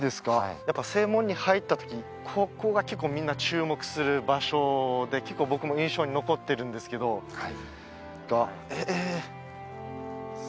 はいやっぱ正門に入ったときここがみんな注目する場所で結構僕も印象に残ってるんですけどえ